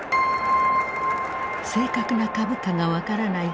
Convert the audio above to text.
正確な株価が分からない